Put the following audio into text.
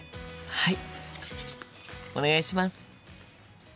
はい。